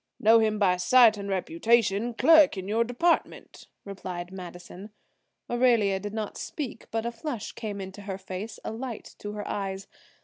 "Know him by sight and reputation. Clerk in your department," replied Madison. Aurelia did not speak, but a flush came into her face, a light to her eyes.